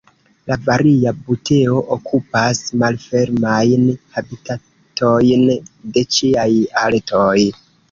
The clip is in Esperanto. La Varia buteo okupas malfermajn habitatojn de ĉiaj altoj.